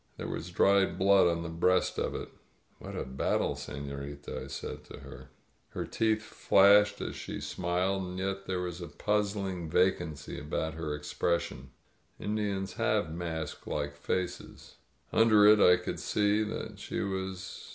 There was dried blood on the breast of it. "What a battle, senorita !" I said to her. Her teeth flashed as she smiled, and yet there was a puzzling vacancy about her expression. Indians have mask like faces. Under it I could see that she was.